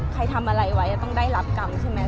ใครทำอะไรไว้ต้องได้รับกรรมใช่ไหม